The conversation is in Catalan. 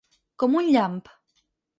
Com un llamp.